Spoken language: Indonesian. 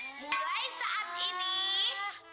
saat ini saya checkedidakai sesuai different